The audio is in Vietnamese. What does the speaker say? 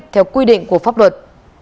theo quy định của pháp luật